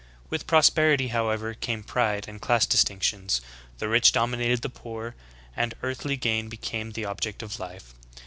With prosperity, however, came pride and class dis tinctions, the rich dominated the poor, and earthly gain be came the object of life